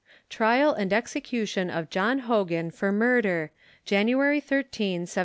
TRIAL AND EXECUTION OF JOHN HOGAN, FOR MURDER, JANUARY 13th, 1786.